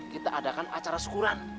kita adakan acara syukuran